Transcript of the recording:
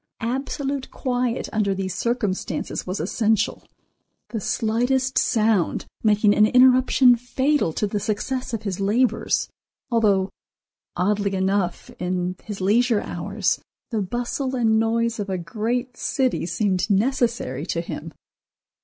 Absolute quiet under these circumstances was essential, the slightest sound making an interruption fatal to the success of his labors, although, oddly enough, in his leisure hours the bustle and noise of a great city seemed necessary to him.